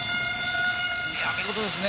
見事ですね。